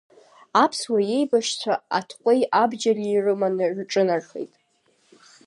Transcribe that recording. Аԥсуа иеибашьцәа аҭҟәеи абџьари рыманы рҿынархеит.